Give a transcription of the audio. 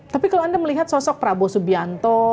tapi kalau anda melihat sosok prabowo subianto